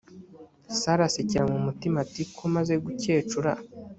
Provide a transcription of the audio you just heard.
sara asekera mu mutima ati ko maze gukecura.